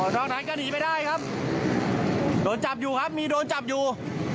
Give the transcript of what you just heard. นอกนั้นก็หนีไปได้ครับโดนจับอยู่ครับมีโดนจับอยู่